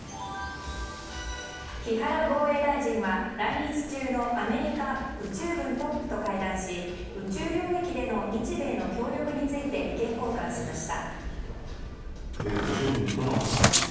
木原防衛大臣は来日中のアメリカ宇宙軍トップと会談し宇宙領域での日米の協力について意見交換しました。